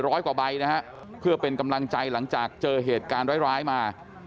ร้อยกว่าใบเป็นกำลังใจหลังจากเจอเหตุการณ์ร้ายมา